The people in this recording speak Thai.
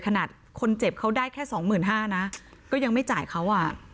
ขนาดคนเจ็บเขาได้แค่๒๕๐๐๐นะก็ยังไม่จ่ายเขา